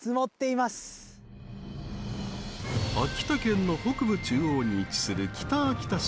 秋田県の北部中央に位置する北秋田市。